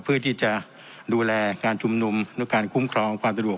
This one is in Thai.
เพื่อที่จะดูแลการชุมนุมด้วยการคุ้มครองความสะดวก